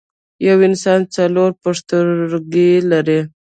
یو انسان څو پښتورګي لري